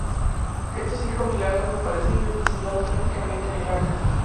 Estos cinco milagros aparecen representados gráficamente en el arca.